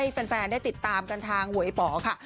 ก็ให้แฟนได้ติดตามกันทางหัวไอ้ป๋อค่ะ